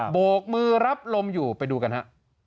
โบกมือรับลมอยู่ไปดูกันฮะ